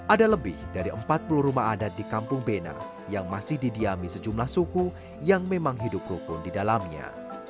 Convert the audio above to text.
ada lebih dari empat puluh rumah adat di kampung bena yang masih didiami sejumlah suku yang memang hidup rukun di dalamnya